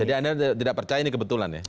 jadi anda tidak percaya ini kebetulan ya